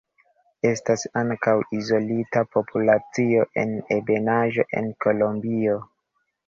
Estas ankaŭ izolita populacio en ebenaĵo en Kolombio.